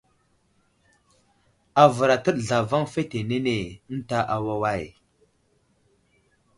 Avər atəɗ zlavaŋ fetenene ənta awaway.